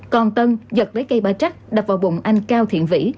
còn tân giật lấy cây ba trắc đập vào bụng anh cao thiện vĩ